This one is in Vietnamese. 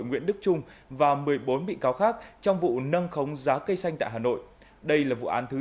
nguyễn đức trung và một mươi bốn bị cáo khác trong vụ nâng khống giá cây xanh tại hà nội đây là vụ án thứ